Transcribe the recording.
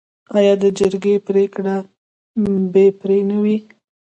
آیا د جرګې پریکړه بې پرې نه وي؟